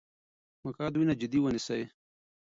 مقعد وینه جدي ونیسئ.